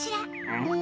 うん！